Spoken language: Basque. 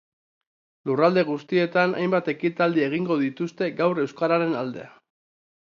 Lurralde guztietan hainbat ekitaldi egingo dituzte gaur euskararen alde.